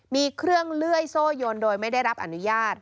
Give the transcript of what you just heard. มีเครื่องเลื่อยโซ่ยนโดยไม่ได้รับอนุญาต